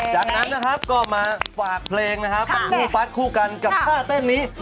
จากนั้นนะครับก็มาฝากเพลงนะครับเป็นคู่ฟัดคู่กันกับท่าเต้นนี้